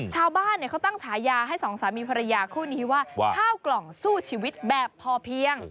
ชาวบ้านเขาตั้งฉายาให้สองสามีภรรยาคู่นี้ว่าข้าวกล่องสู้ชีวิตแบบพอเพียง